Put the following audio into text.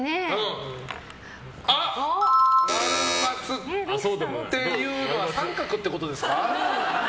○、×っていうのは△ってことですか。